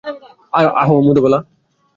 আব্বে, মোধুবালা!